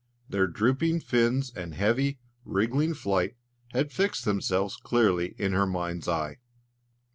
Their drooping fins and heavy, wriggling flight had fixed themselves clearly in her mind's eye.